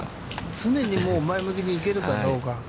常に前向きに行けるかどうか。